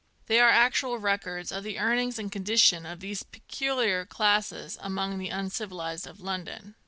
They are actual records of the earnings and condition of these peculiar classes among the un civilised of London.